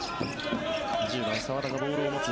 １０番、澤田がボールを持つ。